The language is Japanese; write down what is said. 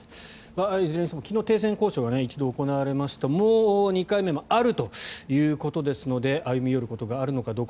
いずれにしても昨日、停戦交渉が１度行われました、もう２回目もあるということですので歩み寄ることがあるのか